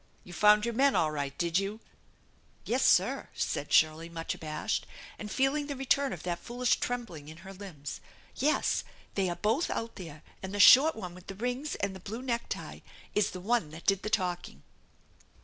You found your men all right, did you ?" "Yes, sir," said Shirley, much abashed, and feeling the return of that foolish trembling in her limbs. "Yes, they are both out there, and the short one with the rings and the blue necktie is the one that did the talking."